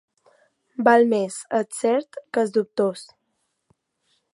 Val més el cert que el dubtós.